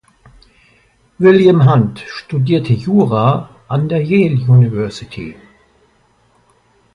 William Hunt studierte Jura an der Yale University.